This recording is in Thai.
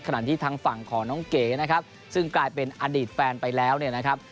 ขณะที่ทางฝั่งของน้องเก๋นะครับซึ่งกลายเป็นอดีตแฟนไปแล้วเนี่ยนะครับ